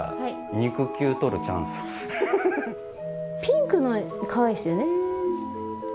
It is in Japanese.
ピンクのかわいいですよね。